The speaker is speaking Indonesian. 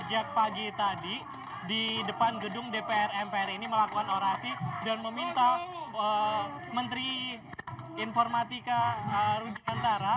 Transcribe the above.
jangan lupa untuk berlangganan